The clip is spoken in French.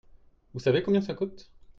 Vous savez combien ça coûte ?